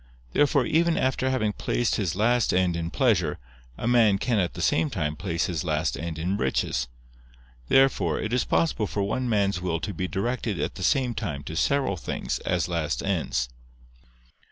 Therefore even after having placed his last end in pleasure, a man can at the same time place his last end in riches. Therefore it is possible for one man's will to be directed at the same time to several things, as last ends.